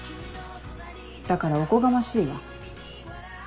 だからおこがましいわ。